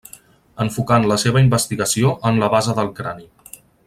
Enfocant la seva investigació en la base del crani.